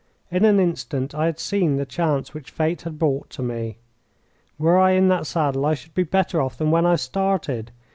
In an instant I had seen the chance which Fate had brought to me. Were I in that saddle I should be better off than when I started.